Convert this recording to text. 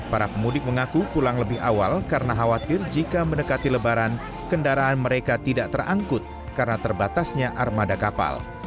para pemudik mengaku pulang lebih awal karena khawatir jika mendekati lebaran kendaraan mereka tidak terangkut karena terbatasnya armada kapal